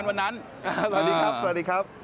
สวัสดีครับ